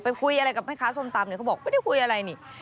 คุยอะไรกับแม่ค้าส้มตำเนี่ยเขาบอกไม่ได้คุยอะไรนี่